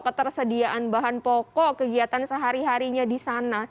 ketersediaan bahan pokok kegiatan sehari harinya di sana